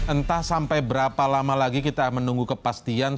entah sampai berapa lama lagi kita menunggu kepastian